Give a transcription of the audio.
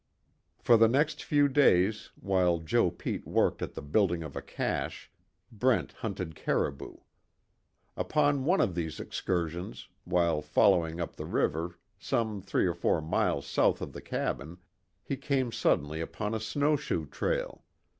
For the next few days, while Joe Pete worked at the building of a cache, Brent hunted caribou. Upon one of these excursions, while following up the river, some three of four miles south of the cabin, he came suddenly upon a snowshoe trail.